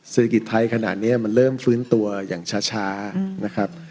เศรษฐกิจไทยขนาดนี้มันเริ่มฟื้นตัวอย่างช้านะครับ